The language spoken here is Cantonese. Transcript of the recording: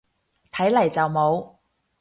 睇嚟就冇